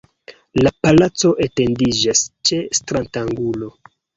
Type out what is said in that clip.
La palaco etendiĝas ĉe stratangulo.